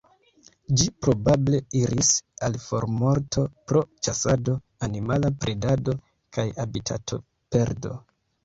Ĝi probable iris al formorto pro ĉasado, animala predado, kaj habitatoperdo.